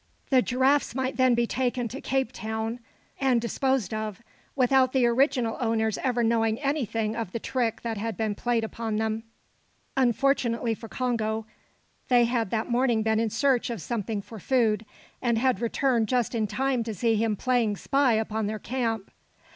The giraffes might then be taken to Cape Town, and disposed of, without the original owners ever knowing anything of the trick that had been played upon them. Unfortunately for Congo, they had that morning been in search of something for food, and had returned just in time to see him playing spy upon their camp.